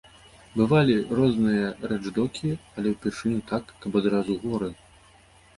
Бывалі розныя рэчдокі, але ўпершыню так, каб адразу горы!